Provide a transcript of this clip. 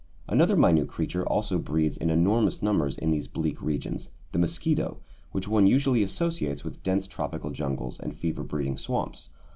Another minute creature also breeds in enormous numbers in these bleak regions, the mosquito, which one usually associates with dense tropical jungles and fever breeding swamps.